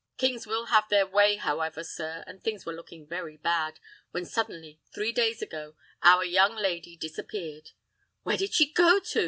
Kings will have their way, however, sir, and things were looking very bad, when suddenly, three days ago, our young lady disappeared " "Where did she go to?